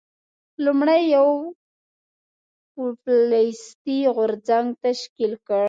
لومړی یو پوپلیستي غورځنګ تشکیل کړ.